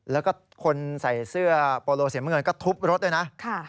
แล้วก็คนใส่เสื้อโปโลสีน้ำเงินก็ทุบรถด้วยนะ